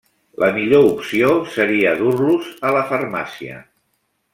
La millor opció seria dur-los a la farmàcia.